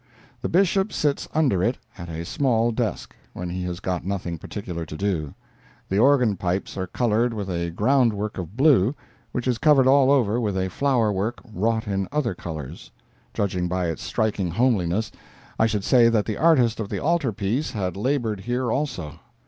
The Bishop sits under it at a small desk, when he has got nothing particular to do. The organ pipes are colored with a groundwork of blue, which is covered all over with a flower work wrought in other colors. Judging by its striking homeliness, I should say that the artist of the altar piece had labored here also.